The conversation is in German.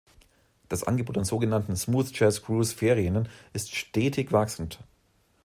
Das Angebot an sogenannten Smooth-Jazz-Cruise-Ferien ist stetig wachsend.